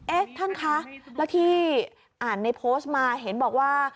เอ๊ะท่านคะแล้วที่อ่านในโพสต์มาเห็นบอกว่า